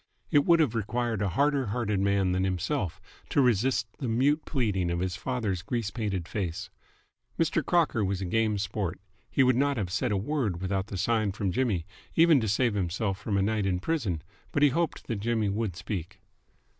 It would have required a harder hearted man than himself to resist the mute pleading of his father's grease painted face. Mr. Crocker was a game sport: he would not have said a word without the sign from Jimmy, even to save himself from a night in prison, but he hoped that Jimmy would speak.